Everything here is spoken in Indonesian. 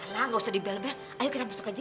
nah ga usah dibel bel ayo kita masuk aja ya